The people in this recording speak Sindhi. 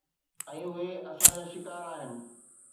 ۽ اهي آسان شڪار آهن